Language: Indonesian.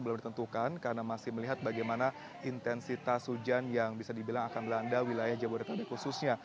belum ditentukan karena masih melihat bagaimana intensitas hujan yang bisa dibilang akan melanda wilayah jabodetabek khususnya